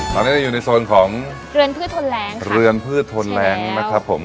ตอนนี้จะอยู่ในโซนของเรือนพืชทนแรงเรือนพืชทนแรงนะครับผม